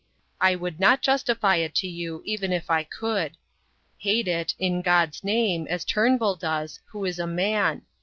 I would not justify it to you even if I could. Hate it, in God's name, as Turnbull does, who is a man.